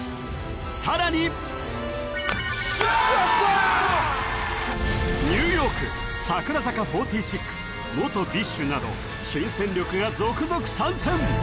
さらにニューヨーク櫻坂４６元ＢｉＳＨなど新戦力が続々参戦